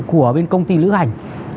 của bên công ty lữ hành fiditur